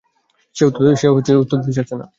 সে উত্তর দিতে চাচ্ছে না।